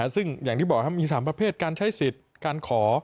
ซึ่งอย่างที่บอกมี๓ประเภทการใช้สิทธิ์การขอ